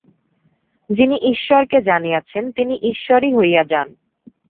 যিনি ঈশ্বরকে জানিয়াছেন, তিনি ঈশ্বরই হইয়া যান।